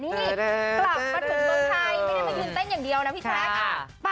ไม่ได้มายืนเต้นอย่างเดียวนะพี่ฟ้าค่ะ